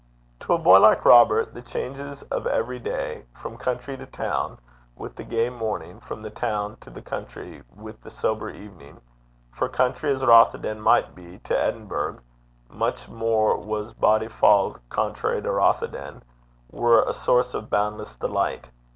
To a boy like Robert the changes of every day, from country to town with the gay morning, from town to country with the sober evening for country as Rothieden might be to Edinburgh, much more was Bodyfauld country to Rothieden were a source of boundless delight.